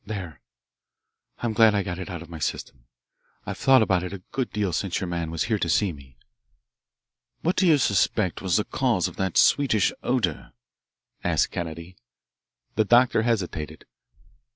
There, I'm glad I've got it out of my system. I've thought about it a good deal since your man was here to see me." "What do you suspect was the cause of that sweetish odour?" asked Kennedy. The doctor hesitated.